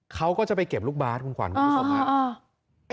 เขาก็จะไปเก็บลูกบาทคุณขวัญคุณผู้ชมครับ